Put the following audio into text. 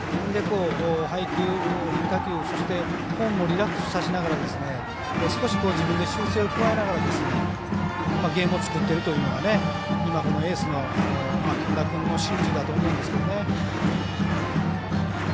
配球、変化球そして、フォームもリラックスさせながら少し自分で修正を加えながらゲームを作っているというのが今、エースの木村君の心中だと思うんですが。